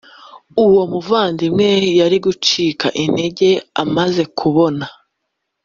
uwo muvandimwe yari gucika intege amaze kubona